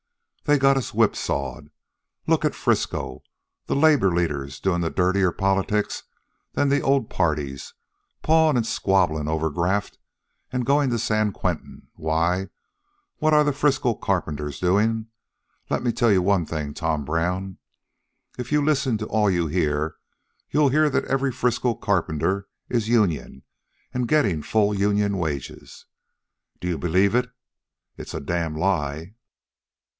They've got us whipsawed. Look at Frisco, the labor leaders doin' dirtier politics than the old parties, pawin' an' squabblin' over graft, an' goin' to San Quentin, while what are the Frisco carpenters doin'? Let me tell you one thing, Tom Brown, if you listen to all you hear you'll hear that every Frisco carpenter is union an' gettin' full union wages. Do you believe it? It's a damn lie.